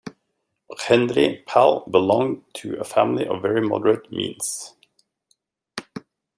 Bachendri Pal belonged to a family of very moderate means.